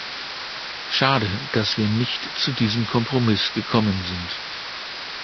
Schade, dass wir nicht zu diesem Kompromiss gekommen sind.